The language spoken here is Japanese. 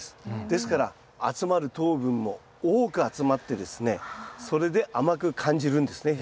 ですから集まる糖分も多く集まってですねそれで甘く感じるんですね